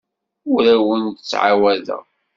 Ur awen-d-ttɛawadeɣ.